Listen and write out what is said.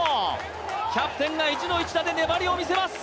キャプテンが意地の一打で粘りを見せます